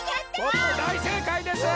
ポッポだいせいかいです！